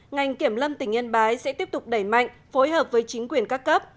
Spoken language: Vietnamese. ngành kiểm lâm tỉnh yên bái sẽ tiếp tục đẩy mạnh phối hợp với chính quyền các cấp